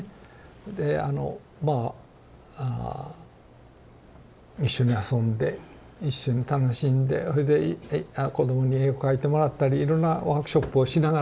であの一緒に遊んで一緒に楽しんでそれで子どもに絵を描いてもらったりいろんなワークショップをしながらね。